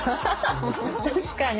確かに。